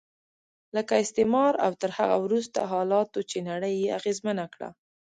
لکه استعمار او تر هغه وروسته حالاتو چې نړۍ یې اغېزمنه کړه.